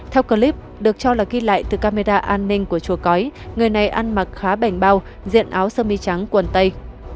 theo clip được cho là ghi lại từ camera an ninh của chùa cói người này ăn mặc khá bảnh bao diện áo sơ mi trắng quần tây